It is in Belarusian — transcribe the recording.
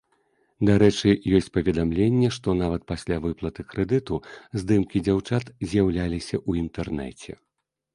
Дарэчы, ёсць паведамленні, што нават пасля выплаты крэдыту здымкі дзяўчат з'яўляліся ў інтэрнэце.